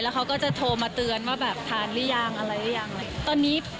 แล้วเขาก็จะโทรมาเตือนว่าแบบทานหรือยังอะไรหรือยัง